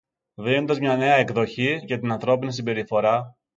δίνοντας μια νέα εκδοχή για την ανθρώπινη συμπεριφορά,